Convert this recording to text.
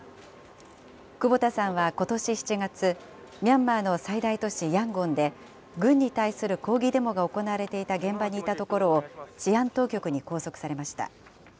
久保田さんはことし７月、ミャンマーの最大都市ヤンゴンで、軍に対する抗議デモが行われていた現場にいたところを治安当局に拘束されました。